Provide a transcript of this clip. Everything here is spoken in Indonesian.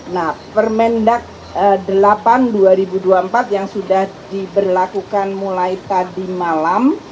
nah permendak delapan dua ribu dua puluh empat yang sudah diberlakukan mulai tadi malam